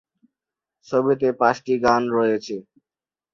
ছবিতে পাঁচটি গান রয়েছে।